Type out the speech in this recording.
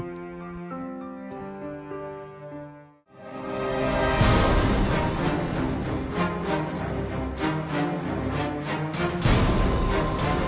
giò chả đá